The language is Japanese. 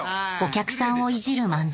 お客さんをいじる漫才